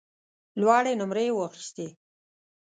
لوړې نمرې یې واخیستې.